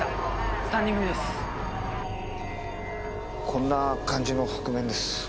こんな感じの覆面です。